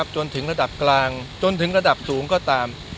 จนถึงระดับกลางจนถึงระดับสูงก็ตาม